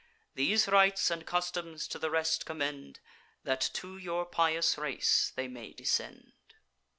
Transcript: These rites and customs to the rest commend, That to your pious race they may descend.